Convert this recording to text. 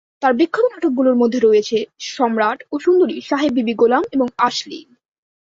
তার বিখ্যাত নাটকগুলির মধ্যে রয়েছে সম্রাট ও সুন্দরী, সাহেব বিবি গোলাম, এবং আশলিল।